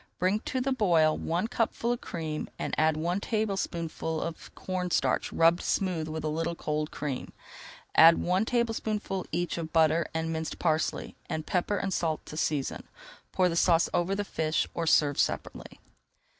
Bring to the boil one cupful of cream and add one tablespoonful of corn starch rubbed smooth with a little cold cream. Add one tablespoonful each of butter and minced parsley, and pepper and salt to season. Pour the sauce over the fish or serve separately.